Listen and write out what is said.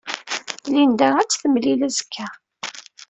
Linda ad t-temlil azekka.